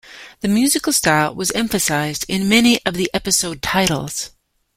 The musical style was emphasized in many of the episode titles.